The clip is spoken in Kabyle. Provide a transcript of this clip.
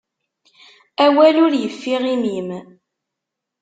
Awal ur yeffiɣ imi-m.